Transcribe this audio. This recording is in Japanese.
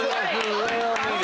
上を見る。